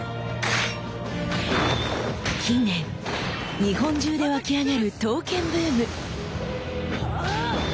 近年日本中で沸き上がる刀剣ブーム。